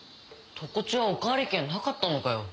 常中はおかわり券なかったのかよ？